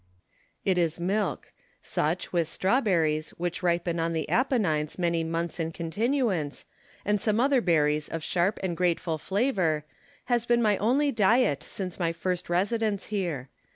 It is milk : such, with strawberries, which ripen on the Apennines many months in continuance, and some other berries of sharp and grateful flavour, has been my only diet since my first residence here.